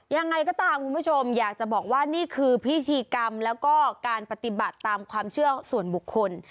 ยังไงก็ตามคุณผู้ชมอยากจะบอกว่านี่คือพิธีกรรมแล้วก็การปฏิบัติตามความเชื่อส่วนบุคคล